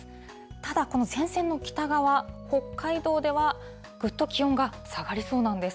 ただ、この前線の北側、北海道ではぐっと気温が下がりそうなんです。